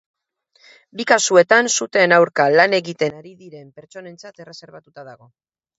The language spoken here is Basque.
Bi kasuetan suteen aurka lan egiten ari diren pertsonentzat erreserbatuta dago.